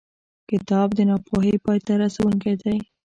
کتاب د ناپوهۍ پای ته رسوونکی دی.